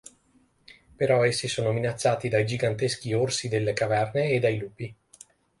Però essi sono minacciati dai giganteschi "Orsi delle caverne" e dai "Lupi".